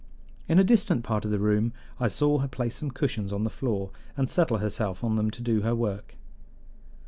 In a distant part of the room I saw her place some cushions on the floor, and settle herself on them to do her work.